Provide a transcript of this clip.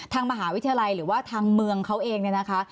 ทางมหาวิทยาลัยหรือว่าทางเมืองเขาเองเนี่ยนะคะ